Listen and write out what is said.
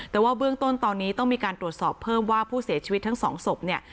แต่ว่าเบื้องต้นตอนนี้ต้องมีการตรวจสอบเพิ่มว่าผู้เสียชีวิตทั้งสองศพเนี่ย